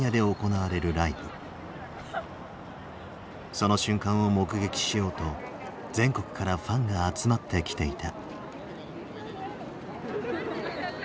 その瞬間を目撃しようと全国からファンが集まってきていた。